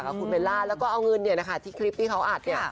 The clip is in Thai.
กับคุณเมล่าแล้วก็เอาเงินที่คลิปที่เขาอัดเนี่ย